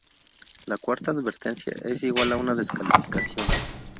La cuarta advertencia es igual a una descalificación.